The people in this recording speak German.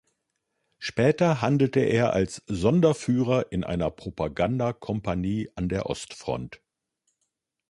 Später handelte er als Sonderführer in einer Propaganda-Kompanie an der Ostfront.